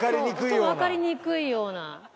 そうわかりにくいような。